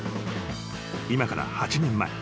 ［今から８年前］